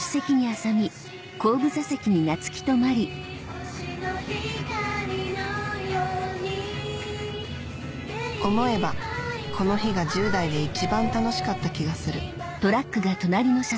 『ＷｈｉｔｅＬｏｖｅ』思えばこの日が１０代で一番楽しかった気がするえ？